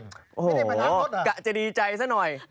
โอ้โฮกะจะดีใจซะหน่อย